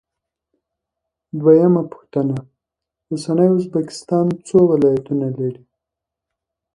دویمه پوښتنه: اوسنی ازبکستان څو ولایتونه لري؟